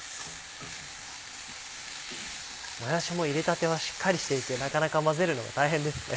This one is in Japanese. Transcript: もやしも入れたてはしっかりしていてなかなか混ぜるのが大変ですね。